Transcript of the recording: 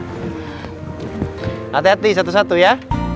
hati hati satu satu ya